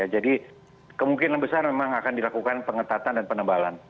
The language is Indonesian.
jadi kemungkinan besar memang akan dilakukan pengetatan dan penebalan